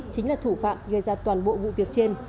chính là thủ phạm gây ra toàn bộ vụ việc trên